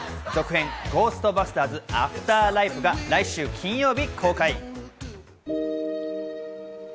続編『ゴーストバスターズ／アフターライフ』が来週金曜日公開。